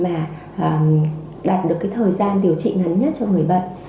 và đạt được cái thời gian điều trị ngắn nhất cho người bệnh